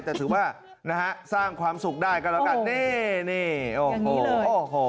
แต่ถือว่านะฮะสร้างความสุขได้ก็แล้วกันนี่นี่โอ้โหโอ้โห